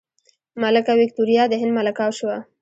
ملکه ویکتوریا د هند ملکه شوه.